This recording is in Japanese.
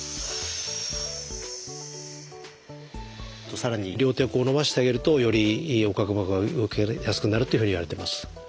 さらに両手を伸ばしてあげるとより横隔膜が動きやすくなるというふうにいわれてます。